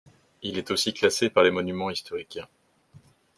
Il est aussi classé par les Monuments historiques.